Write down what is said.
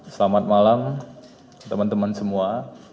selamat malam teman teman semua